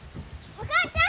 ・お母ちゃん！